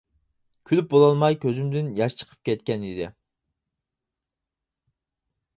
كۈلۈپ بولالماي كۆزۈمدىن ياش چىقىپ كەتكەن ئىدى.